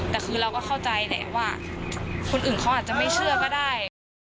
แต่คือเราก็เข้าใจแหละว่าคนอื่นเขาอาจจะไม่เชื่อก็ได้